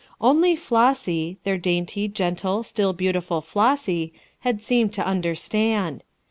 Only Flossy, their dainty, gentle, still beautiful Flossy, had seemed to understand.